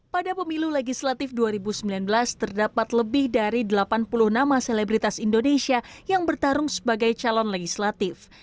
pada pemilu legislatif dua ribu sembilan belas terdapat lebih dari delapan puluh nama selebritas indonesia yang bertarung sebagai calon legislatif